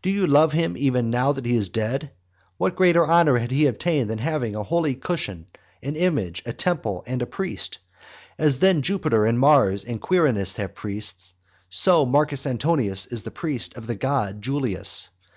Do you love him even now that he is dead? What greater honour had he obtained than that of having a holy cushion, an image, a temple, and a priest? As then Jupiter, and Mars, and Quirinus have priests, so Marcus Antonius is the priest of the god Julius.